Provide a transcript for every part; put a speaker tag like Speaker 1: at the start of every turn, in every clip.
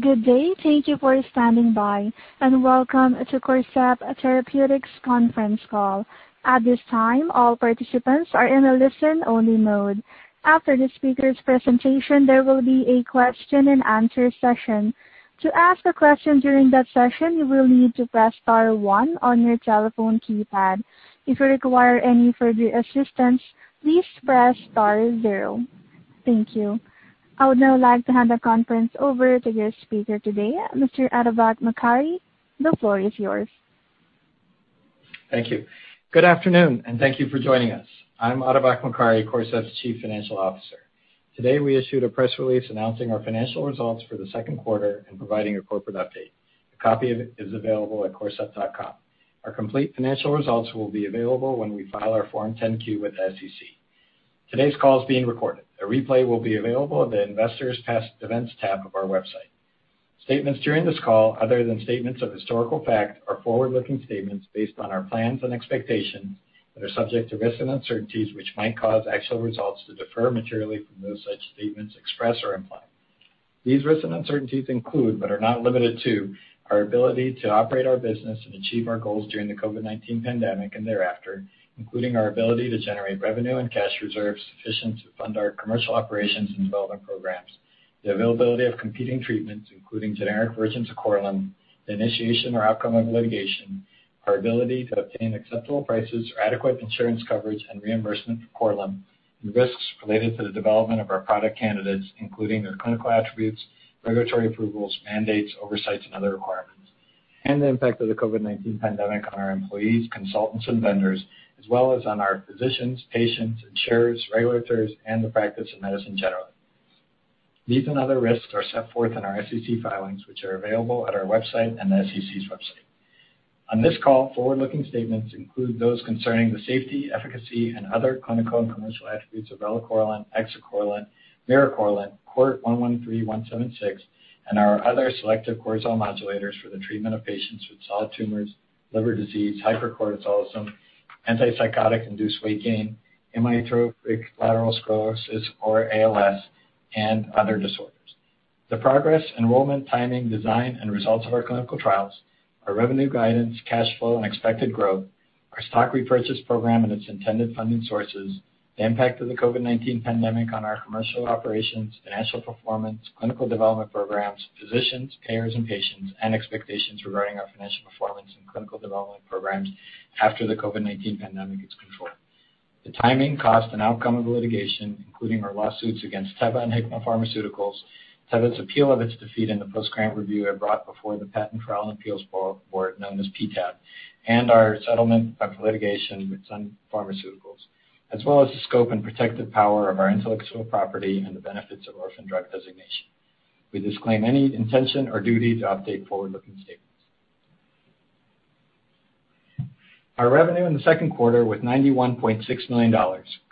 Speaker 1: Good day. Thank you for standing by, and welcome to Corcept Therapeutics Conference Call. At this time, all participants are in a listen-only mode. After the speaker's presentation, there will be a question and answer session. To ask a question during that session, you will need to press star one on your telephone keypad. If you require any further assistance, please press star zero. Thank you. I would now like to hand the conference over to your speaker today, Mr. Atabak Mokari. The floor is yours.
Speaker 2: Thank you. Good afternoon, thank you for joining us. I'm Atabak Mokari, Corcept's Chief Financial Officer. Today, we issued a press release announcing our financial results for the second quarter and providing a corporate update. A copy of it is available at corcept.com. Our complete financial results will be available when we file our Form 10-Q with the SEC. Today's call is being recorded. A replay will be available in the Investors Past Events tab of our website. Statements during this call, other than statements of historical fact, are forward-looking statements based on our plans and expectations that are subject to risks and uncertainties, which might cause actual results to differ materially from those such statements express or imply. These risks and uncertainties include, but are not limited to, our ability to operate our business and achieve our goals during the COVID-19 pandemic and thereafter, including our ability to generate revenue and cash reserves sufficient to fund our commercial operations and development programs, the availability of competing treatments, including generic versions of Korlym, the initiation or outcome of litigation, our ability to obtain acceptable prices or adequate insurance coverage and reimbursement for Korlym, and risks related to the development of our product candidates, including their clinical attributes, regulatory approvals, mandates, oversights, and other requirements, and the impact of the COVID-19 pandemic on our employees, consultants, and vendors as well as on our physicians, patients, insurers, regulators, and the practice of medicine generally. These and other risks are set forth in our SEC filings, which are available at our website and the SEC's website. On this call, forward-looking statements include those concerning the safety, efficacy, and other clinical and commercial attributes of relacorilant, exicorilant, miricorilant, CORT113176, and our other selective cortisol modulators for the treatment of patients with solid tumors, liver disease, hypercortisolism, antipsychotic-induced weight gain, amyotrophic lateral sclerosis or ALS, and other disorders. The progress, enrollment, timing, design, and results of our clinical trials, our revenue guidance, cash flow, and expected growth, our stock repurchase program and its intended funding sources, the impact of the COVID-19 pandemic on our commercial operations, financial performance, clinical development programs, physicians, payers, and patients, and expectations regarding our financial performance and clinical development programs after the COVID-19 pandemic is controlled. The timing, cost, and outcome of litigation, including our lawsuits against Teva and Hikma Pharmaceuticals, Teva's appeal of its defeat in the post-grant review it brought before the Patent Trial and Appeals Board, known as PTAB, and our settlement of litigation with Sun Pharmaceuticals, as well as the scope and protective power of our intellectual property and the benefits of orphan drug designation. We disclaim any intention or duty to update forward-looking statements. Our revenue in the second quarter was $91.6 million,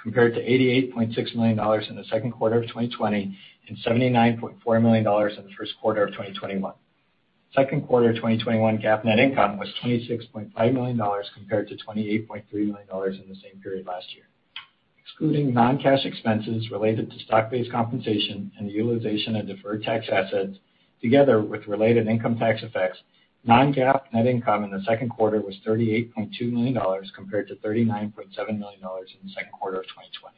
Speaker 2: compared to $88.6 million in the second quarter of 2020 and $79.4 million in the first quarter of 2021. Second quarter 2021 GAAP net income was $26.5 million compared to $28.3 million in the same period last year. Excluding non-GAAP expenses related to stock-based compensation and the utilization of deferred tax assets, together with related income tax effects, non-GAAP net income in the second quarter was $38.2 million, compared to $39.7 million in the second quarter of 2020.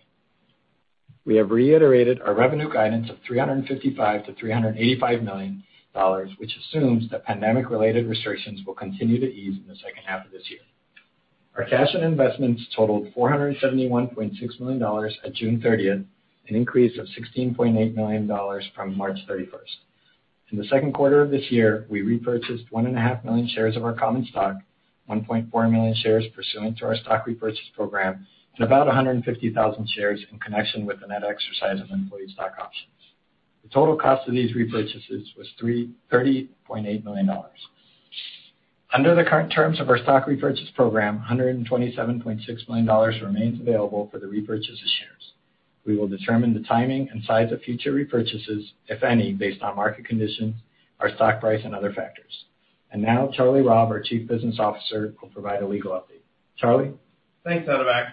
Speaker 2: We have reiterated our revenue guidance of $355 million-$385 million, which assumes that pandemic-related restrictions will continue to ease in the second half of this year. Our cash and investments totaled $471.6 million at June 30th, an increase of $16.8 million from March 31st. In the second quarter of this year, we repurchased one and a half million shares of our common stock, 1.4 million shares pursuant to our stock repurchase program and about 150,000 shares in connection with the net exercise of employee stock options. The total cost of these repurchases was $30.8 million. Under the current terms of our stock repurchase program, $127.6 million remains available for the repurchase of shares. We will determine the timing and size of future repurchases, if any, based on market conditions, our stock price, and other factors. Now Charlie Robb, our Chief Business Officer, will provide a legal update. Charlie?
Speaker 3: Thanks, Atabak.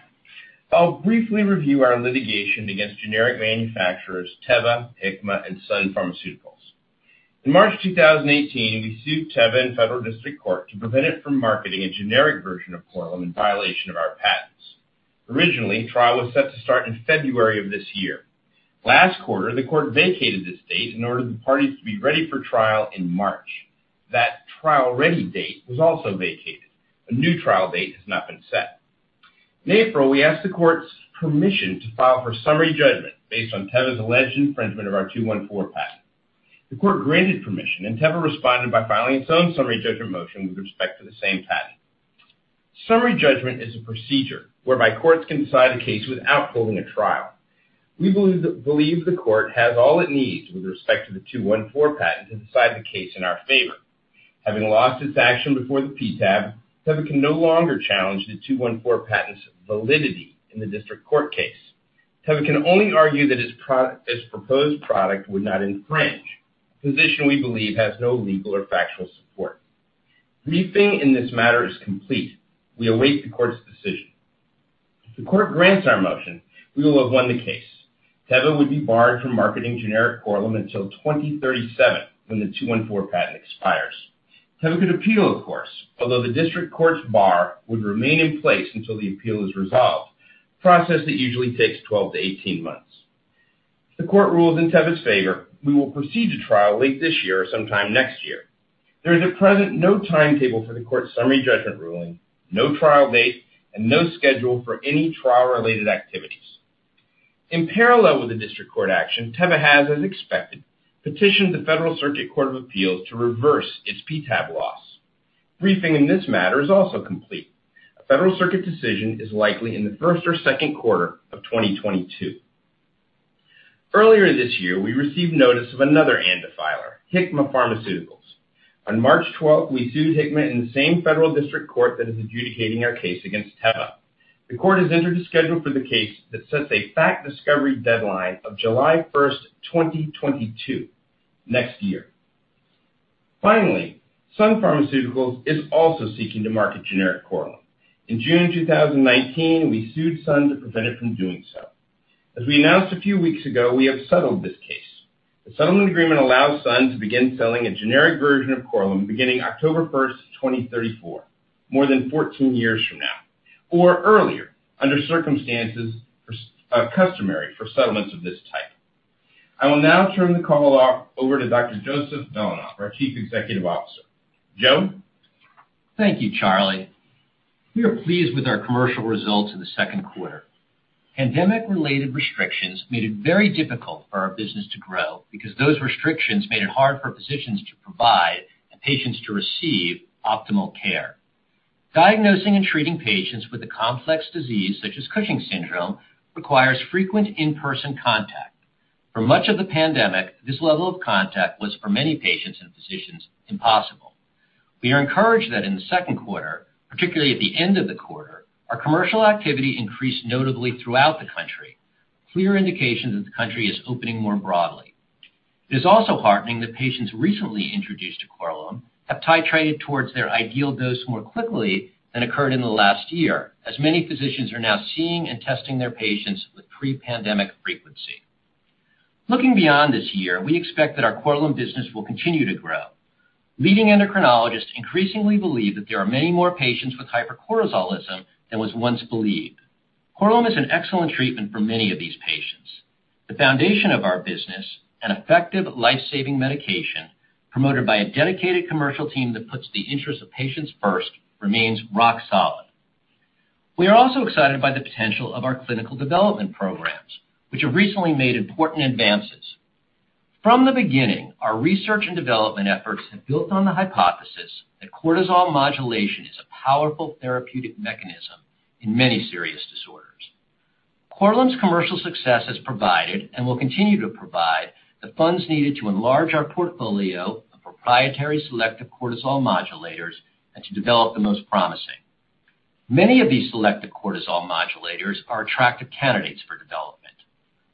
Speaker 3: I'll briefly review our litigation against generic manufacturers Teva, Hikma, and Sun Pharmaceuticals. In March 2018, we sued Teva in Federal District Court to prevent it from marketing a generic version of Korlym in violation of our patents. Originally, trial was set to start in February of this year. Last quarter, the court vacated this date and ordered the parties to be ready for trial in March. That trial-ready date was also vacated. A new trial date has not been set. In April, we asked the court's permission to file for summary judgment based on Teva's alleged infringement of our '214 patent. The court granted permission, and Teva responded by filing its own summary judgment motion with respect to the same patent. Summary judgment is a procedure whereby courts can decide a case without holding a trial. We believe the court has all it needs with respect to the '214 patent to decide the case in our favor. Having lost its action before the PTAB, Teva can no longer challenge the '214 patent's validity in the district court case. Teva can only argue that its proposed product would not infringe, a position we believe has no legal or factual support. Briefing in this matter is complete. We await the court's decision. If the court grants our motion, we will have won the case. Teva would be barred from marketing generic Korlym until 2037, when the '214 patent expires. Teva could appeal, of course, although the district court's bar would remain in place until the appeal is resolved, a process that usually takes 12-18 months. If the court rules in Teva's favor, we will proceed to trial late this year or sometime next year. There is at present no timetable for the court summary judgment ruling, no trial date, and no schedule for any trial-related activities. In parallel with the district court action, Teva has, as expected, petitioned the Federal Circuit Court of Appeals to reverse its PTAB loss. Briefing in this matter is also complete. A Federal Circuit decision is likely in the first or second quarter of 2022. Earlier this year, we received notice of another ANDA filer, Hikma Pharmaceuticals. On March 12, we sued Hikma in the same federal district court that is adjudicating our case against Teva. The court has entered a schedule for the case that sets a fact discovery deadline of July 1st, 2022, next year. Sun Pharmaceuticals is also seeking to market generic Korlym. In June 2019, we sued Sun to prevent it from doing so. As we announced a few weeks ago, we have settled this case. The settlement agreement allows Sun to begin selling a generic version of Korlym beginning October 1st, 2034, more than 14 years from now, or earlier, under circumstances customary for settlements of this type. I will now turn the call over to Dr. Joseph Belanoff, our Chief Executive Officer. Joe?
Speaker 4: Thank you, Charlie. We are pleased with our commercial results in the second quarter. Pandemic-related restrictions made it very difficult for our business to grow because those restrictions made it hard for physicians to provide and patients to receive optimal care. Diagnosing and treating patients with a complex disease such as Cushing's syndrome requires frequent in-person contact. For much of the pandemic, this level of contact was, for many patients and physicians, impossible. We are encouraged that in the second quarter, particularly at the end of the quarter, our commercial activity increased notably throughout the country, a clear indication that the country is opening more broadly. It is also heartening that patients recently introduced to Korlym have titrated towards their ideal dose more quickly than occurred in the last year, as many physicians are now seeing and testing their patients with pre-pandemic frequency. Looking beyond this year, we expect that our Korlym business will continue to grow. Leading endocrinologists increasingly believe that there are many more patients with hypercortisolism than was once believed. Korlym is an excellent treatment for many of these patients. The foundation of our business, an effective life-saving medication promoted by a dedicated commercial team that puts the interests of patients first, remains rock solid. We are also excited by the potential of our clinical development programs, which have recently made important advances. From the beginning, our research and development efforts have built on the hypothesis that cortisol modulation is a powerful therapeutic mechanism in many serious disorders. Korlym's commercial success has provided, and will continue to provide, the funds needed to enlarge our portfolio of proprietary selective cortisol modulators and to develop the most promising. Many of these selective cortisol modulators are attractive candidates for development.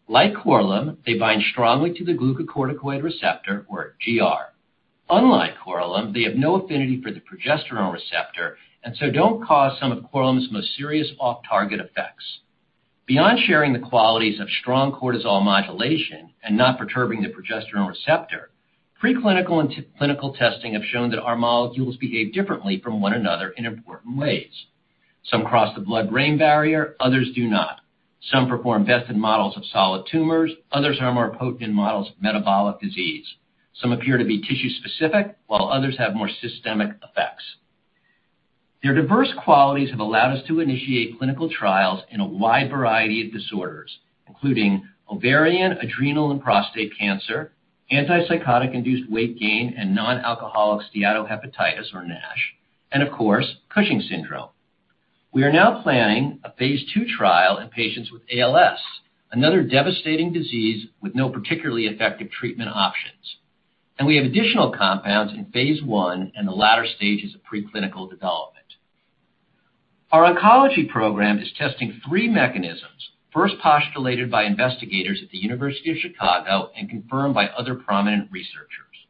Speaker 4: Like Korlym, they bind strongly to the glucocorticoid receptor, or GR. Unlike Korlym, they have no affinity for the progesterone receptor and so don't cause some of Korlym's most serious off-target effects. Beyond sharing the qualities of strong cortisol modulation and not perturbing the progesterone receptor, pre-clinical and clinical testing have shown that our molecules behave differently from one another in important ways. Some cross the blood-brain barrier, others do not. Some perform best in models of solid tumors, others are more potent in models of metabolic disease. Some appear to be tissue-specific, while others have more systemic effects. Their diverse qualities have allowed us to initiate clinical trials in a wide variety of disorders, including ovarian, adrenal, and prostate cancer, antipsychotic-induced weight gain, and non-alcoholic steatohepatitis, or NASH, and of course, Cushing's syndrome. We are now planning a phase II trial in patients with ALS, another devastating disease with no particularly effective treatment options. We have additional compounds in phase I and the latter stages of pre-clinical development. Our oncology program is testing three mechanisms first postulated by investigators at the University of Chicago and confirmed by other prominent researchers.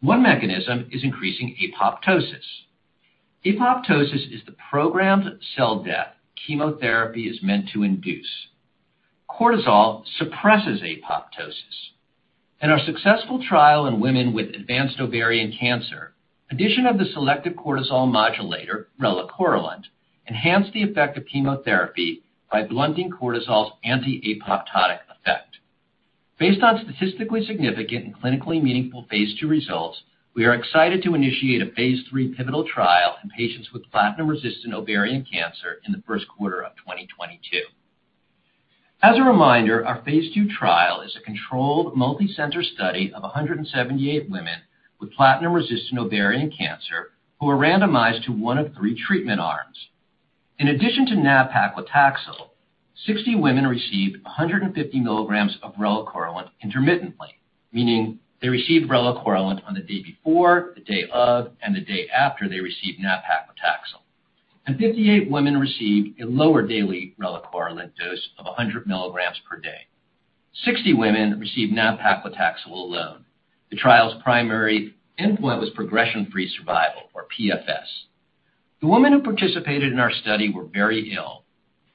Speaker 4: One mechanism is increasing apoptosis. Apoptosis is the programmed cell death chemotherapy is meant to induce. Cortisol suppresses apoptosis. In our successful trial in women with advanced ovarian cancer, addition of the selective cortisol modulator, relacorilant, enhanced the effect of chemotherapy by blunting cortisol's anti-apoptotic effect. Based on statistically significant and clinically meaningful phase II results, we are excited to initiate a phase III pivotal trial in patients with platinum-resistant ovarian cancer in the first quarter of 2022. As a reminder, our phase II trial is a controlled multi-center study of 178 women with platinum-resistant ovarian cancer who are randomized to one of three treatment arms. In addition to nab-paclitaxel, 60 women received 150 milligrams of relacorilant intermittently, meaning they received relacorilant on the day before, the day of, and the day after they received nab-paclitaxel. 58 women received a lower daily relacorilant dose of 100 milligrams per day. 60 women received nab-paclitaxel alone. The trial's primary endpoint was progression-free survival, or PFS. The women who participated in our study were very ill.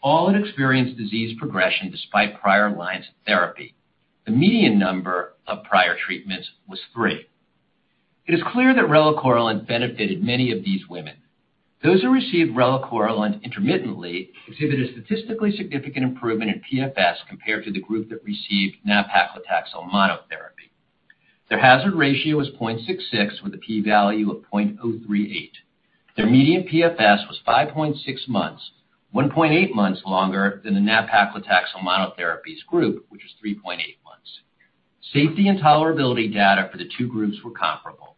Speaker 4: All had experienced disease progression despite prior lines of therapy. The median number of prior treatments was three. It is clear that relacorilant benefited many of these women. Those who received relacorilant intermittently exhibited a statistically significant improvement in PFS compared to the group that received nab-paclitaxel monotherapy. Their hazard ratio was 0.66 with a P value of 0.038. Their median PFS was 5.6 months, 1.8 months longer than the nab-paclitaxel monotherapy's group, which was 3.8 months. Safety and tolerability data for the two groups were comparable.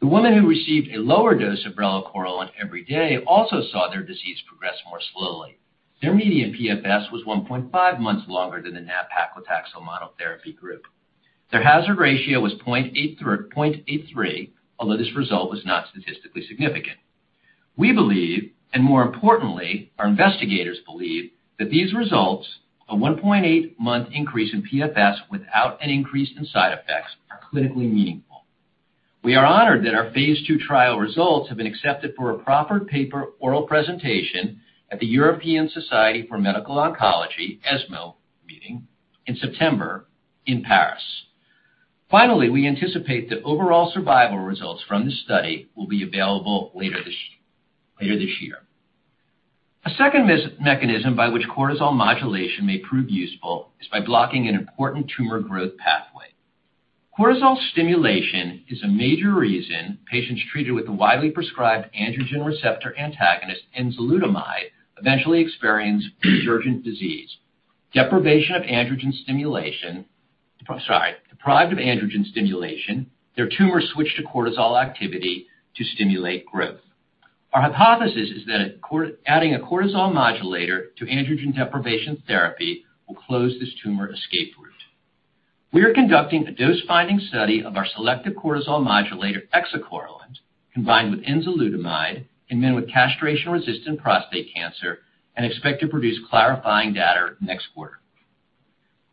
Speaker 4: The women who received a lower dose of relacorilant every day also saw their disease progress more slowly. Their median PFS was 1.5 months longer than the nab-paclitaxel monotherapy group. Their hazard ratio was 0.83, although this result was not statistically significant. We believe, and more importantly, our investigators believe, that these results, a 1.8-month increase in PFS without an increase in side effects, are clinically meaningful. We are honored that our phase II trial results have been accepted for a proffered paper oral presentation at the European Society for Medical Oncology, ESMO meeting, in September in Paris. Finally, we anticipate that overall survival results from this study will be available later this year. A second mechanism by which cortisol modulation may prove useful is by blocking an important tumor growth pathway. Cortisol stimulation is a major reason patients treated with the widely prescribed androgen receptor antagonist enzalutamide eventually experience resurgent disease. Deprived of androgen stimulation, their tumors switch to cortisol activity to stimulate growth. Our hypothesis is that adding a cortisol modulator to androgen deprivation therapy will close this tumor escape route. We are conducting a dose-finding study of our selective cortisol modulator exicorilant combined with enzalutamide in men with castration-resistant prostate cancer and expect to produce clarifying data next quarter.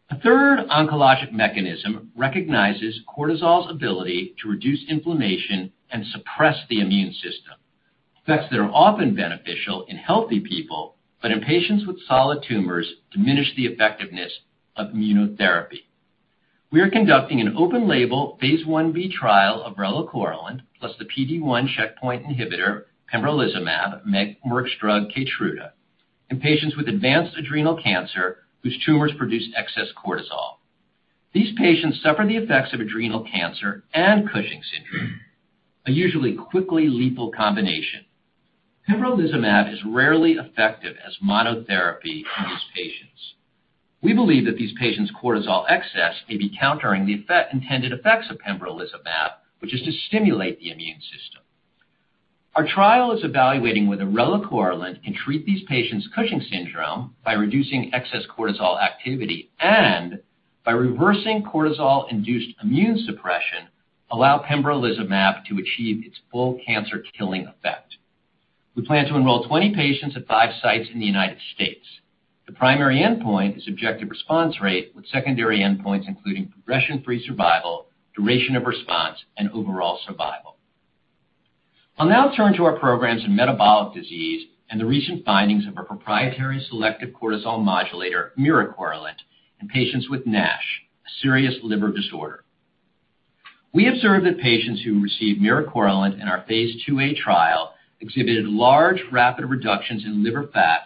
Speaker 4: A third oncologic mechanism recognizes cortisol's ability to reduce inflammation and suppress the immune system. Effects that are often beneficial in healthy people, but in patients with solid tumors diminish the effectiveness of immunotherapy. We are conducting an open-label Phase Ib trial of relacorilant plus the PD-1 checkpoint inhibitor pembrolizumab, Merck's drug KEYTRUDA, in patients with advanced adrenal cancer whose tumors produce excess cortisol. These patients suffer the effects of adrenal cancer and Cushing's syndrome, a usually quickly lethal combination. Pembrolizumab is rarely effective as monotherapy in these patients. We believe that these patients' cortisol excess may be countering the intended effects of pembrolizumab, which is to stimulate the immune system. Our trial is evaluating whether relacorilant can treat these patients' Cushing's syndrome by reducing excess cortisol activity and, by reversing cortisol-induced immune suppression, allow pembrolizumab to achieve its full cancer-killing effect. We plan to enroll 20 patients at five sites in the U.S. The primary endpoint is objective response rate with secondary endpoints including progression-free survival, duration of response, and overall survival. I'll now turn to our programs in metabolic disease and the recent findings of our proprietary selective cortisol modulator miricorilant in patients with NASH, a serious liver disorder. We observed that patients who received miricorilant in our phase IIa trial exhibited large, rapid reductions in liver fat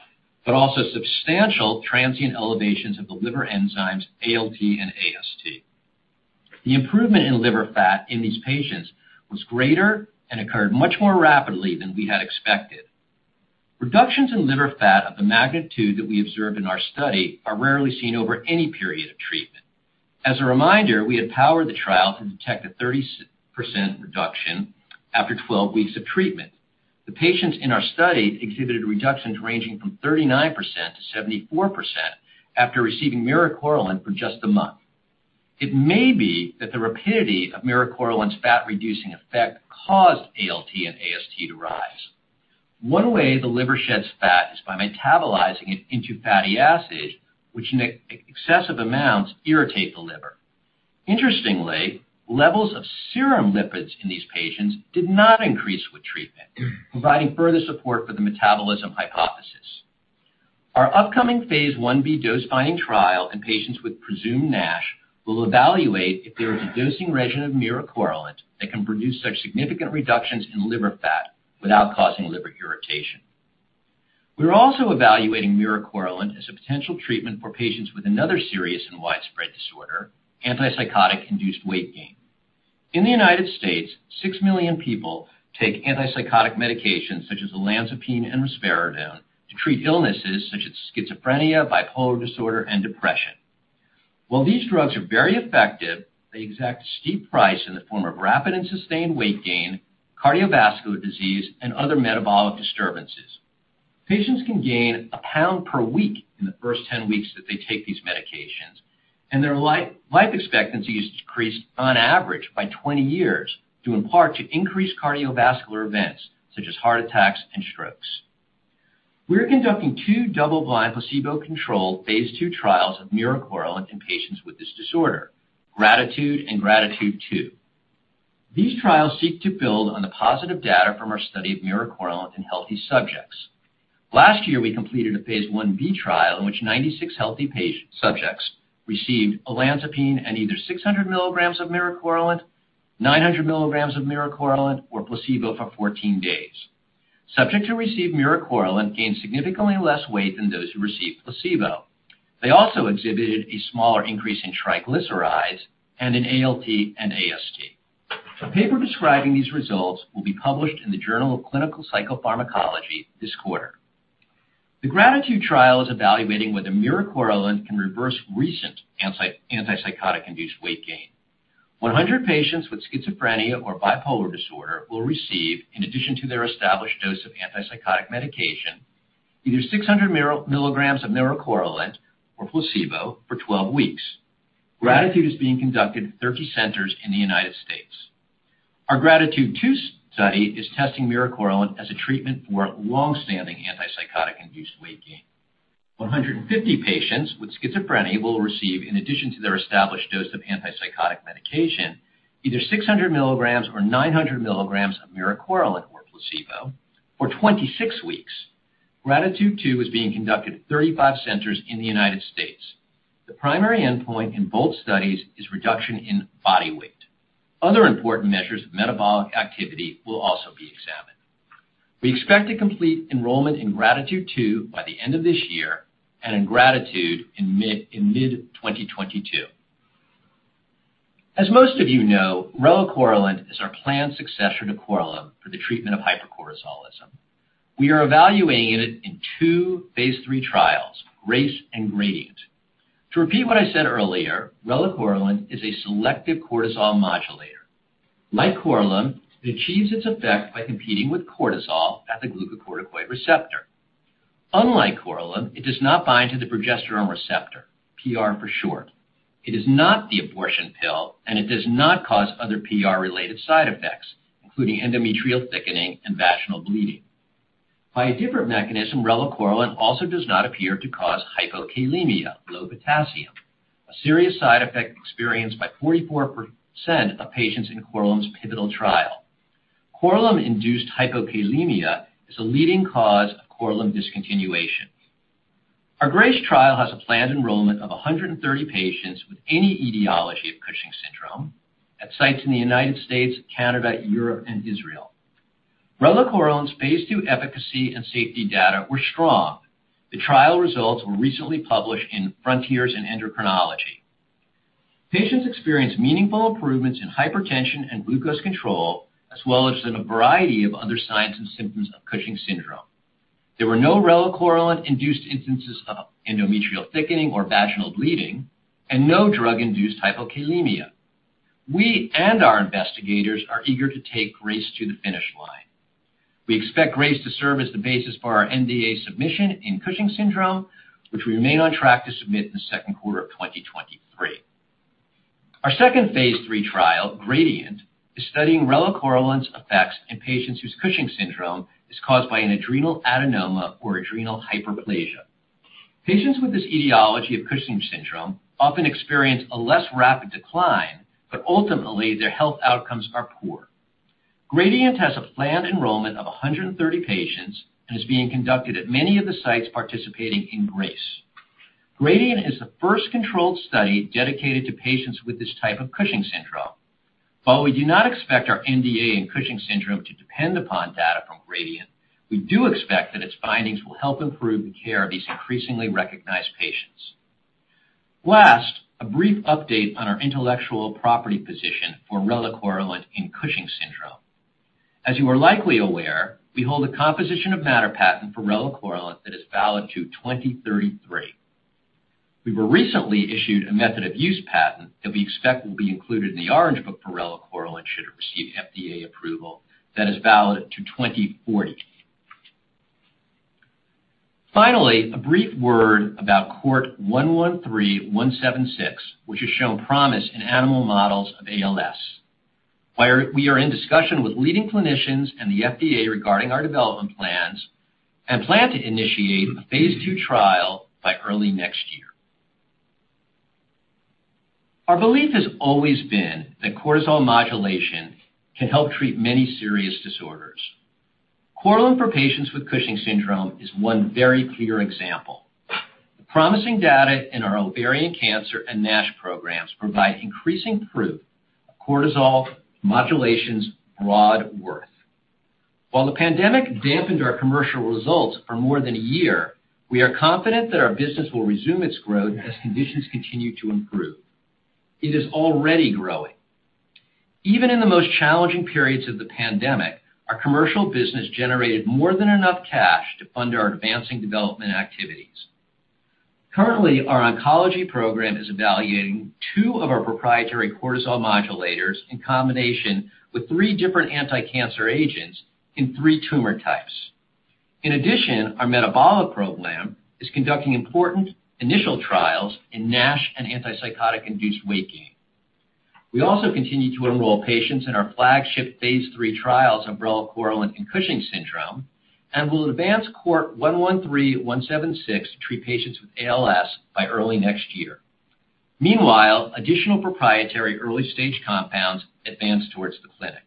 Speaker 4: but also substantial transient elevations of the liver enzymes ALT and AST. The improvement in liver fat in these patients was greater and occurred much more rapidly than we had expected. Reductions in liver fat of the magnitude that we observed in our study are rarely seen over any period of treatment. As a reminder, we had powered the trial to detect a 30% reduction after 12 weeks of treatment. The patients in our study exhibited reductions ranging from 39%-74% after receiving miricorilant for just a month. It may be that the rapidity of miricorilant's fat-reducing effect caused ALT and AST to rise. One way the liver sheds fat is by metabolizing it into fatty acids, which in excessive amounts irritate the liver. Interestingly, levels of serum lipids in these patients did not increase with treatment, providing further support for the metabolism hypothesis. Our upcoming phase Ib dose-finding trial in patients with presumed NASH will evaluate if there is a dosing regimen of miricorilant that can produce such significant reductions in liver fat without causing liver irritation. We are also evaluating miricorilant as a potential treatment for patients with another serious and widespread disorder, antipsychotic-induced weight gain. In the U.S., 6 million people take antipsychotic medications such as olanzapine and risperidone to treat illnesses such as schizophrenia, bipolar disorder, and depression. While these drugs are very effective, they exact a steep price in the form of rapid and sustained weight gain, cardiovascular disease, and other metabolic disturbances. Patients can gain a pound per week in the first 10 weeks that they take these medications, and their life expectancy is decreased on average by 20 years due in part to increased cardiovascular events such as heart attacks and strokes. We're conducting two double-blind placebo-controlled phase II trials of miricorilant in patients with this disorder, GRATITUDE and GRATITUDE II. These trials seek to build on the positive data from our study of miricorilant in healthy subjects. Last year, we completed a phase Ib trial in which 96 healthy subjects received olanzapine and either 600 mg of miricorilant, 900 mg of miricorilant, or placebo for 14 days. Subjects who received miricorilant gained significantly less weight than those who received placebo. They also exhibited a smaller increase in triglycerides and in ALT and AST. A paper describing these results will be published in the Journal of Clinical Psychopharmacology this quarter. The GRATITUDE trial is evaluating whether miricorilant can reverse recent antipsychotic-induced weight gain. 100 patients with schizophrenia or bipolar disorder will receive, in addition to their established dose of antipsychotic medication, either 600 mg of miricorilant or placebo for 12 weeks. GRATITUDE is being conducted at 30 centers in the U.S. Our GRATITUDE II study is testing miricorilant as a treatment for longstanding antipsychotic-induced weight gain. 150 patients with schizophrenia will receive, in addition to their established dose of antipsychotic medication, either 600 mg or 900 mg of miricorilant or placebo for 26 weeks. GRATITUDE II is being conducted at 35 centers in the United States. The primary endpoint in both studies is reduction in body weight. Other important measures of metabolic activity will also be examined. We expect to complete enrollment in GRATITUDE II by the end of this year and in GRATITUDE in mid 2022. As most of you know, relacorilant is our planned successor to Korlym for the treatment of hypercortisolism. We are evaluating it in two phase III trials, GRACE and GRADIENT. To repeat what I said earlier, relacorilant is a selective cortisol modulator. Like Korlym, it achieves its effect by competing with cortisol at the glucocorticoid receptor. Unlike Korlym, it does not bind to the progesterone receptor, PR for short. It is not the abortion pill, and it does not cause other PR-related side effects, including endometrial thickening and vaginal bleeding. By a different mechanism, relacorilant also does not appear to cause hypokalemia, low potassium, a serious side effect experienced by 44% of patients in Korlym's pivotal trial. Korlym-induced hypokalemia is a leading cause of Korlym discontinuation. Our GRACE trial has a planned enrollment of 130 patients with any etiology of Cushing's syndrome at sites in the United States, Canada, Europe, and Israel. Relacorilant's phase II efficacy and safety data were strong. The trial results were recently published in Frontiers in Endocrinology. Patients experienced meaningful improvements in hypertension and glucose control, as well as in a variety of other signs and symptoms of Cushing's syndrome. There were no relacorilant-induced instances of endometrial thickening or vaginal bleeding and no drug-induced hypokalemia. We and our investigators are eager to take GRACE to the finish line. We expect GRACE to serve as the basis for our NDA submission in Cushing's syndrome, which we remain on track to submit in the second quarter of 2023. Our second phase III trial, GRADIENT, is studying relacorilant's effects in patients whose Cushing's syndrome is caused by an adrenal adenoma or adrenal hyperplasia. Patients with this etiology of Cushing's syndrome often experience a less rapid decline, but ultimately, their health outcomes are poor. GRADIENT has a planned enrollment of 130 patients and is being conducted at many of the sites participating in GRACE. GRADIENT is the first controlled study dedicated to patients with this type of Cushing's syndrome. While we do not expect our NDA in Cushing's syndrome to depend upon data from GRADIENT, we do expect that its findings will help improve the care of these increasingly recognized patients. A brief update on our intellectual property position for relacorilant in Cushing's syndrome. As you are likely aware, we hold a composition of matter patent for relacorilant that is valid to 2033. We were recently issued a method of use patent that we expect will be included in the Orange Book for relacorilant should it receive FDA approval that is valid to 2040. A brief word about CORT113176, which has shown promise in animal models of ALS. We are in discussion with leading clinicians and the FDA regarding our development plans and plan to initiate a phase II trial by early next year. Our belief has always been that cortisol modulation can help treat many serious disorders. Korlym for patients with Cushing's syndrome is one very clear example. The promising data in our ovarian cancer and NASH programs provide increasing proof of cortisol modulation's broad worth. While the pandemic dampened our commercial results for more than a year, we are confident that our business will resume its growth as conditions continue to improve. It is already growing. Even in the most challenging periods of the pandemic, our commercial business generated more than enough cash to fund our advancing development activities. Currently, our oncology program is evaluating two of our proprietary cortisol modulators in combination with three different anticancer agents in three tumor types. In addition, our metabolic program is conducting important initial trials in NASH and antipsychotic-induced weight gain. We also continue to enroll patients in our flagship phase III trials of relacorilant in Cushing's syndrome, and we'll advance CORT113176 to treat patients with ALS by early next year. Meanwhile, additional proprietary early-stage compounds advance towards the clinic.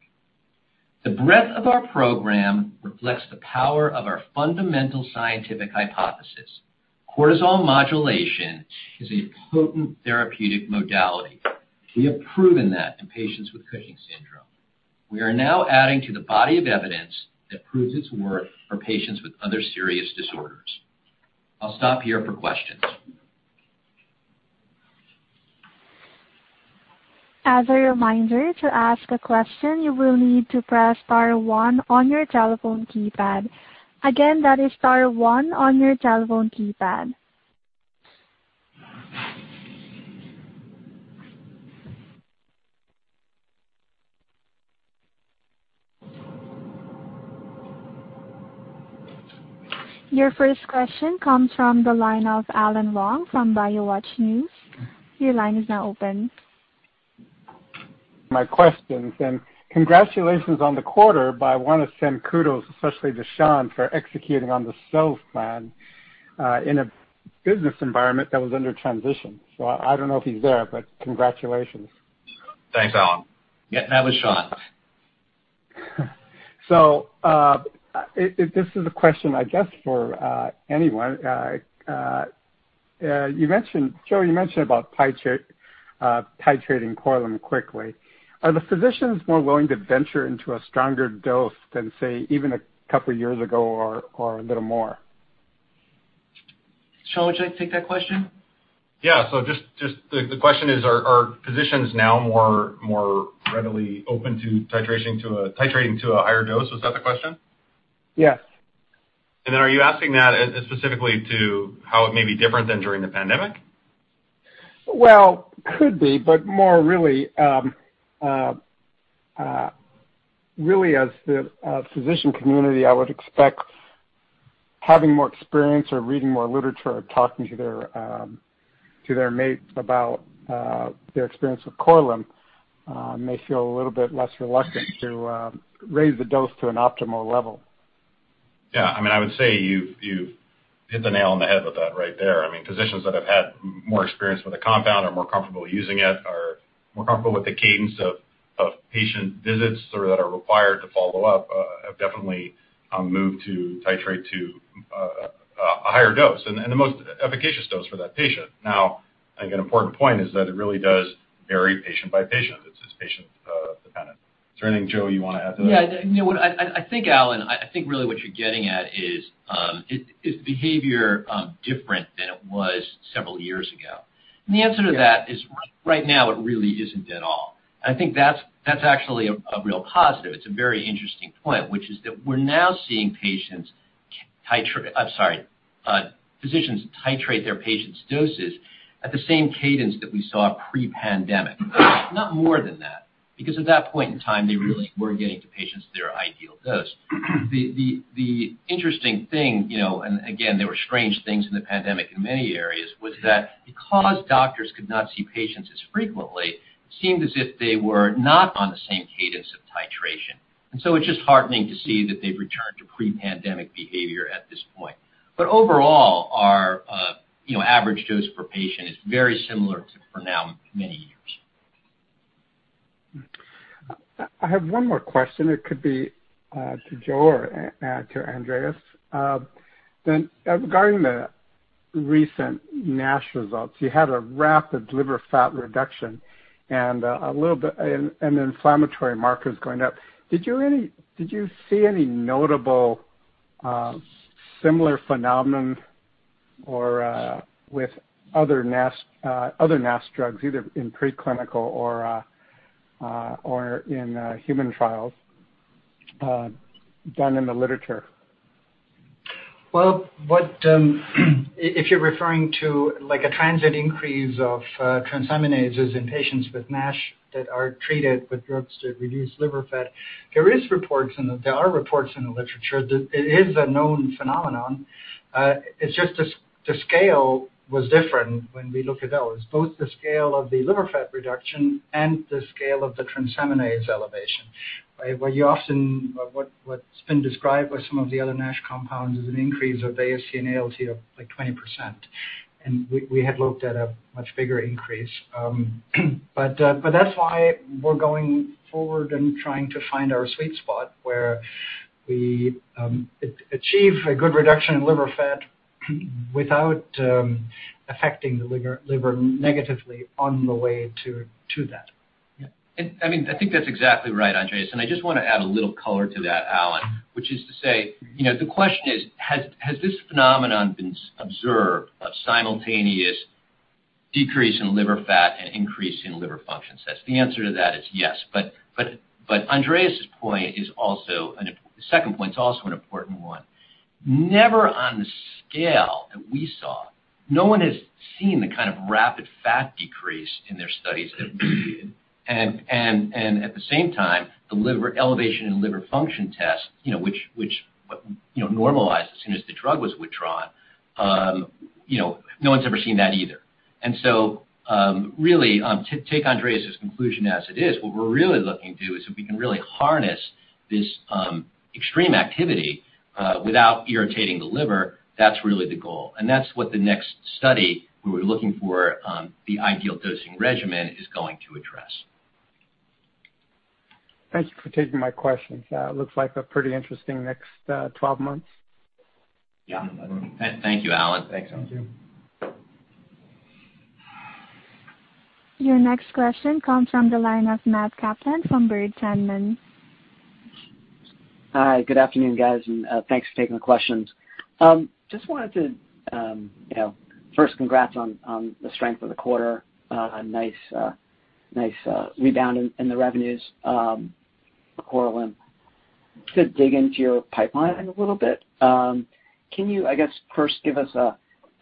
Speaker 4: The breadth of our program reflects the power of our fundamental scientific hypothesis. Cortisol modulation is a potent therapeutic modality. We have proven that in patients with Cushing's syndrome. We are now adding to the body of evidence that proves its worth for patients with other serious disorders. I'll stop here for questions.
Speaker 1: Your first question comes from the line of Alan Leong from BioWatch News. Your line is now open.
Speaker 5: My questions. Congratulations on the quarter. I want to send kudos, especially to Sean, for executing on the sales plan in a business environment that was under transition. I don't know if he's there, but congratulations.
Speaker 6: Thanks, Alan.
Speaker 4: Yeah. That was Sean.
Speaker 5: This is a question, I guess, for anyone. Joe, you mentioned about titrating Korlym quickly. Are the physicians more willing to venture into a stronger dose than, say, even two years ago or a little more?
Speaker 4: Sean, would you like to take that question?
Speaker 6: Yeah. The question is, are physicians now more readily open to titrating to a higher dose? Was that the question?
Speaker 5: Yes.
Speaker 6: Are you asking that specifically to how it may be different than during the pandemic?
Speaker 5: Well, could be, but more really as the physician community, I would expect having more experience or reading more literature or talking to their mate about their experience with Korlym may feel a little bit less reluctant to raise the dose to an optimal level.
Speaker 6: Yeah. I would say you've hit the nail on the head with that right there. Physicians that have had more experience with the compound are more comfortable using it, are more comfortable with the cadence of patient visits or that are required to follow up, have definitely moved to titrate to a higher dose and the most efficacious dose for that patient. I think an important point is that it really does vary patient by patient. It's patient dependent. Is there anything, Joseph, you want to add to that?
Speaker 4: Yeah. I think, Alan, really what you're getting at is behavior different than it was several years ago? The answer to that is right now, it really isn't at all. I think that's actually a real positive. It's a very interesting point, which is that we're now seeing physicians titrate their patients' doses at the same cadence that we saw pre-pandemic, if not more than that, because at that point in time, they really were getting to patients their ideal dose. The interesting thing, again, there were strange things in the pandemic in many areas, was that because doctors could not see patients as frequently, it seemed as if they were not on the same cadence of titration. It's just heartening to see that they've returned to pre-pandemic behavior at this point. Overall, our average dose per patient is very similar to for now many years.
Speaker 5: I have one more question. It could be to Joe or to Andreas. Regarding the recent NASH results, you had a rapid liver fat reduction and inflammatory markers going up. Did you see any notable similar phenomenon or with other NASH drugs, either in preclinical or in human trials done in the literature?
Speaker 7: Well, if you're referring to a transient increase of transaminases in patients with NASH that are treated with drugs that reduce liver fat, there are reports in the literature that it is a known phenomenon. It's just the scale was different when we look at those, both the scale of the liver fat reduction and the scale of the transaminase elevation. What's been described with some of the other NASH compounds is an increase of AST/ALT of 20%, and we had looked at a much bigger increase. That's why we're going forward and trying to find our sweet spot where we achieve a good reduction in liver fat without affecting the liver negatively on the way to that.
Speaker 4: Yeah. I think that's exactly right, Andreas. I just want to add a little color to that, Alan, which is to say, the question is, has this phenomenon been observed of simultaneous decrease in liver fat and increase in liver function? The answer to that is yes. Andreas' second point is also an important one. Never on the scale that we saw. No one has seen the kind of rapid fat decrease in their studies that we did, and at the same time, the liver elevation and liver function test which normalized as soon as the drug was withdrawn. No one's ever seen that either. Really, to take Andreas' conclusion as it is, what we're really looking to do is if we can really harness this extreme activity without irritating the liver, that's really the goal. That's what the next study, where we're looking for the ideal dosing regimen, is going to address.
Speaker 5: Thank you for taking my questions. Looks like a pretty interesting next 12 months.
Speaker 4: Yeah. Thank you, Alan.
Speaker 5: Thanks.
Speaker 7: Thank you.
Speaker 1: Your next question comes from the line of [Matt Kaplan] from [Baird].
Speaker 8: Hi, good afternoon, guys, and thanks for taking the questions. Just wanted to first congrats on the strength of the quarter. A nice rebound in the revenues for Korlym. To dig into your pipeline a little bit, can you, I guess, first give us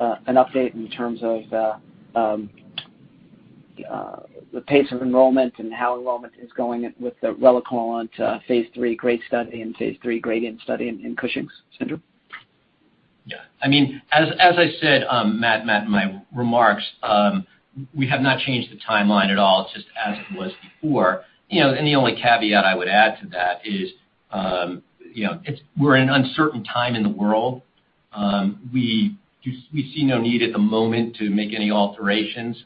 Speaker 8: an update in terms of the pace of enrollment and how enrollment is going with the relacorilant phase III GRACE study and phase III GRADIENT study in Cushing's syndrome?
Speaker 4: Yeah. As I said, Matt, in my remarks, we have not changed the timeline at all. It's just as it was before. The only caveat I would add to that is we're in an uncertain time in the world. We see no need at the moment to make any alterations.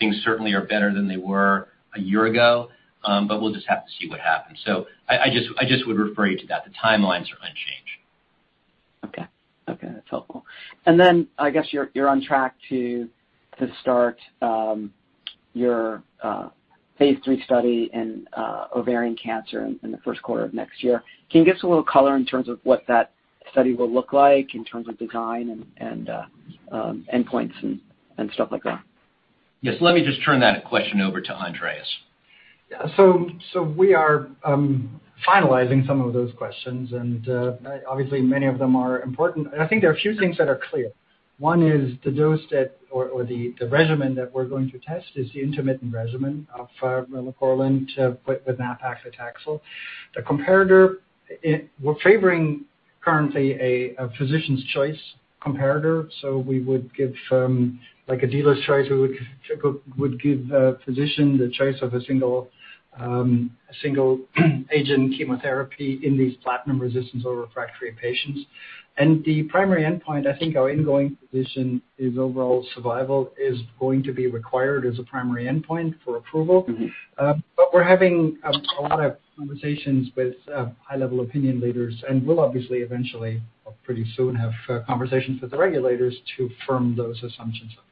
Speaker 4: Things certainly are better than they were a year ago, but we'll just have to see what happens. I just would refer you to that. The timelines are unchanged.
Speaker 9: Okay. That's helpful. I guess you're on track to start your phase III study in ovarian cancer in the first quarter of next year. Can you give us a little color in terms of what that study will look like in terms of design and endpoints and stuff like that?
Speaker 4: Yes, let me just turn that question over to Andreas.
Speaker 7: Yeah. We are finalizing some of those questions, and obviously, many of them are important. I think there are a few things that are clear. One is the dose or the regimen that we're going to test is the intermittent regimen of Korlym with nab-paclitaxel. The comparator, we're favoring currently a physician's choice comparator. We would give, like a dealer's choice, we would give a physician the choice of a single agent chemotherapy in these platinum-resistant or refractory patients. The primary endpoint, I think our ingoing position is overall survival is going to be required as a primary endpoint for approval. We're having a lot of conversations with high-level opinion leaders, and we'll obviously eventually, pretty soon, have conversations with the regulators to firm those assumptions up.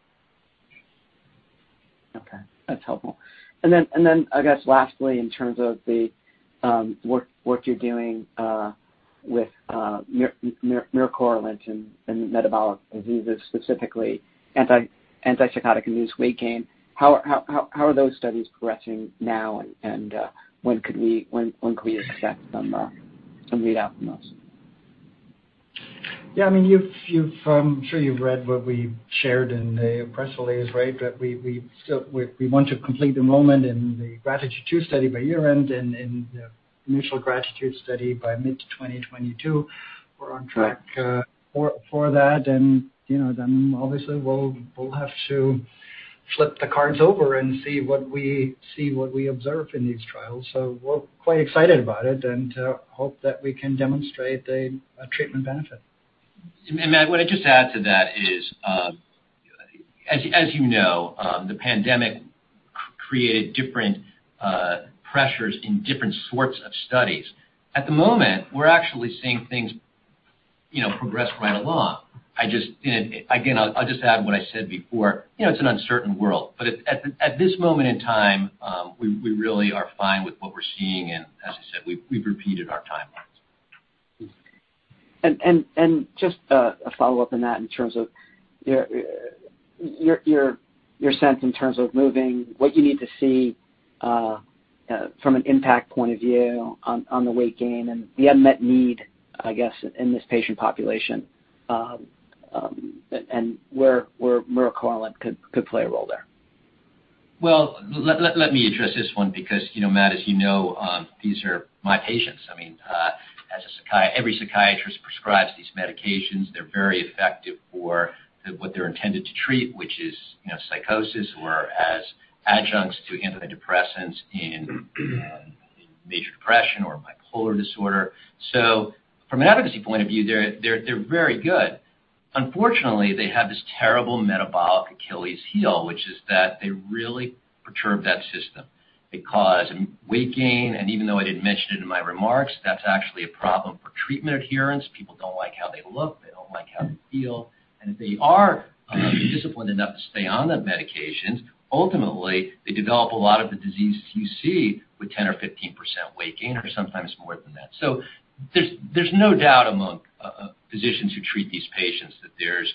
Speaker 9: Okay. That's helpful. I guess lastly, in terms of what you're doing with Korlym and metabolic diseases, specifically antipsychotic-induced weight gain, how are those studies progressing now, and when could we expect some readout from those?
Speaker 7: Yeah, I'm sure you've read what we've shared in the press release, right? That we want to complete enrollment in the GRATITUDE II study by year-end and the GRATITUDE study by mid-2022. We're on track for that, and then obviously, we'll have to flip the cards over and see what we observe in these trials. We're quite excited about it and hope that we can demonstrate a treatment benefit.
Speaker 4: Matt, what I'd just add to that is, as you know, the pandemic created different pressures in different sorts of studies. At the moment, we're actually seeing things progress right along. I'll just add what I said before. It's an uncertain world, but at this moment in time, we really are fine with what we're seeing, and as I said, we've repeated our timelines.
Speaker 9: Just a follow-up on that in terms of your sense in terms of moving what you need to see from an impact point of view on the weight gain and the unmet need, I guess, in this patient population, and where Korlym could play a role there.
Speaker 4: Let me address this one because, Matt, as you know, these are my patients. Every psychiatrist prescribes these medications. They're very effective for what they're intended to treat, which is psychosis or as adjuncts to antidepressants in major depression or bipolar disorder. From an efficacy point of view, they're very good. Unfortunately, they have this terrible metabolic Achilles' heel, which is that they really perturb that system. They cause weight gain, and even though I didn't mention it in my remarks, that's actually a problem for treatment adherence. People don't like how they look. They don't like how they feel. If they are disciplined enough to stay on the medications, ultimately, they develop a lot of the diseases you see with 10% or 15% weight gain or sometimes more than that. There's no doubt among physicians who treat these patients that there's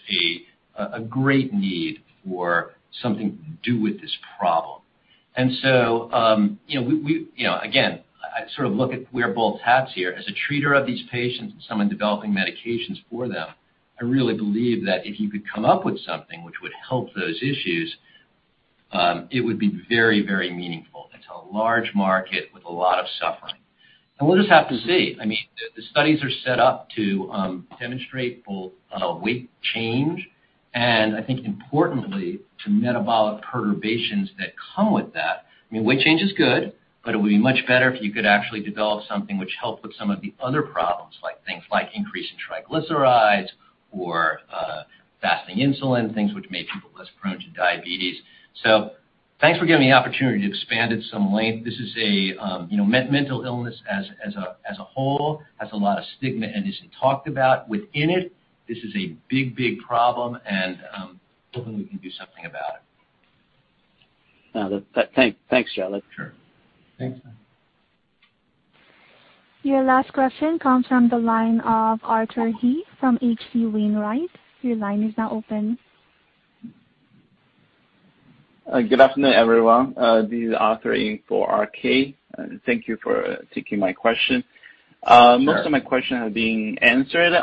Speaker 4: a great need for something to do with this problem. Again, I sort of look at wear both hats here. As a treater of these patients and someone developing medications for them, I really believe that if you could come up with something which would help those issues. It would be very, very meaningful. It's a large market with a lot of suffering. We'll just have to see. I mean, the studies are set up to demonstrate both weight change and, I think importantly, to metabolic perturbations that come with that. I mean, weight change is good, but it would be much better if you could actually develop something which helped with some of the other problems, like things like increase in triglycerides or fasting insulin, things which make people less prone to diabetes. Thanks for giving me the opportunity to expand at some length. Mental illness as a whole has a lot of stigma and isn't talked about within it. This is a big problem and hopefully we can do something about it.
Speaker 8: Thanks, Joe.
Speaker 4: Sure.
Speaker 8: Thanks.
Speaker 1: Your last question comes from the line of Arthur He from H.C. Wainwright & Co. Your line is now open.
Speaker 10: Good afternoon, everyone. This is Arthur He for RK. Thank you for taking my question.
Speaker 4: Sure.
Speaker 10: Most of my question has been answered.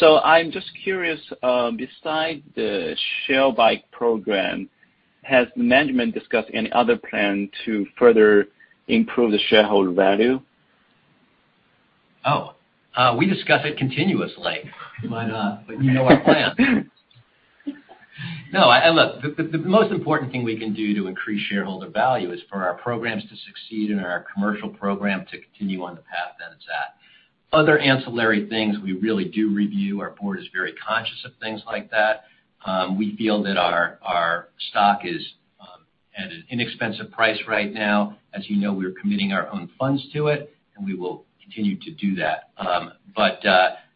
Speaker 10: I'm just curious, besides the share buy program, has management discussed any other plan to further improve the shareholder value?
Speaker 4: Oh, we discuss it continuously. Why not? You know our plan. No, look, the most important thing we can do to increase shareholder value is for our programs to succeed and our commercial program to continue on the path that it's at. Other ancillary things we really do review. Our board is very conscious of things like that. We feel that our stock is at an inexpensive price right now. As you know, we're committing our own funds to it, and we will continue to do that.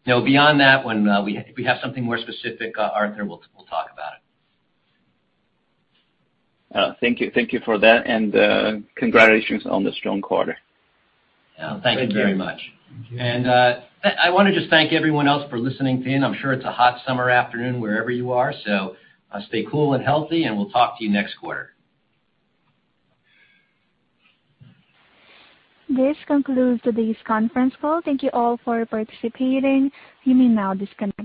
Speaker 4: Beyond that, when we have something more specific, Arthur, we'll talk about it.
Speaker 10: Thank you for that. Congratulations on the strong quarter.
Speaker 4: Thank you very much.
Speaker 10: Thank you.
Speaker 4: I want to just thank everyone else for listening in. I'm sure it's a hot summer afternoon wherever you are, so stay cool and healthy, and we'll talk to you next quarter.
Speaker 1: This concludes today's conference call. Thank you all for participating. You may now disconnect.